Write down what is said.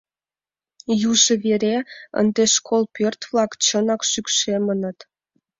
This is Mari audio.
Южо вере ынде школ пӧрт-влак чынак шӱкшемыныт.